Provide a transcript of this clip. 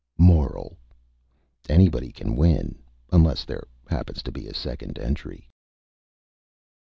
MORAL: _Anybody can Win unless there happens to be a Second Entry.